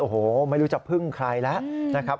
โอ้โหไม่รู้จะพึ่งใครแล้วนะครับ